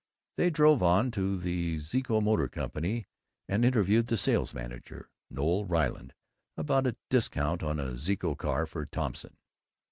They drove on to the Zeeco Motor Company and interviewed the sales manager, Noël Ryland, about a discount on a Zeeco car for Thompson.